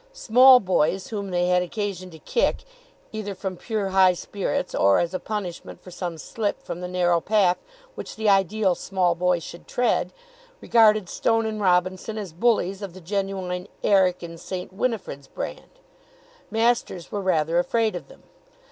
Small boys whom they had occasion to kick, either from pure high spirits or as a punishment for some slip from the narrow path which the ideal small boy should tread, regarded Stone and Robinson as bullies of the genuine "Eric" and "St. Winifred's" brand. Masters were rather afraid of them.